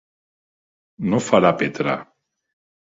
No farà Petra!